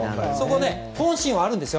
本心はあるんですよ。